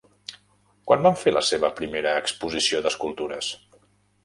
Quan va fer la seva primera exposició d'escultures?